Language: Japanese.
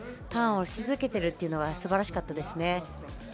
ターンをし続けているというのはすばらしかったです。